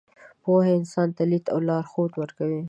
پوهه انسان ته لید او لارښود ورکوي.